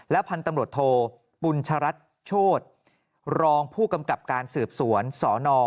พันธุ์ตำรวจโทปุญชรัฐโชธรองผู้กำกับการสืบสวนสน